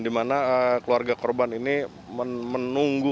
di mana keluarga korban ini menunggu